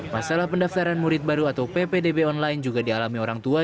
masalah pendaftaran murid baru atau ppdb online juga dialami orang tua